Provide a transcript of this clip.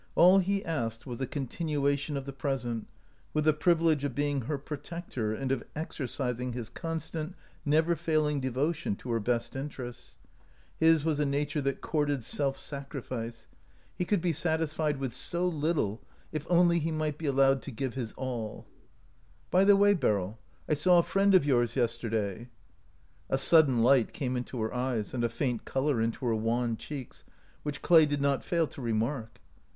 All he asked was a continuation of the present, with the privilege of being her protector and of exercising his constant, never failing devotion to her best interests. His was a nature that courted self sacrifice. 198 OUT OF BOHEMIA He could be satisfied with so little, if only he might be allowed to give his all. " By the way, Beryl, I saw a friend of yours yesterday." A sudden light came into her eyes and a faint color into her wan cheeks, which Clay did not fail to remark.